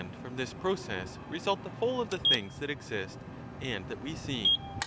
vi this process result the whole of the things that exist and that we see.